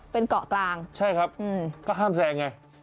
เป็นเกาะกลางใช่ครับก็ห้ามแซงไง